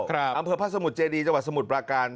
อำเภอพระสมุทรเจดีจังหวัดสมุทรปราการ